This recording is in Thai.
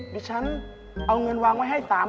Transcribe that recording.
ดิฉันเอาเงินวางไว้ให้๓๐๐